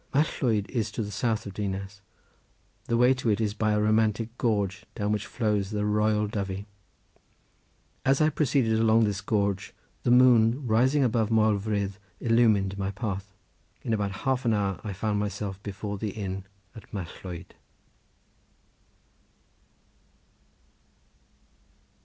Mallwyd is to the south of Dinas—the way to it is by a romantic gorge down which flows the Royal Dyfi. As I proceeded along this gorge the moon rising above Moel Vrith illumined my path. In about half an hour I found myself before the inn at Mallwyd.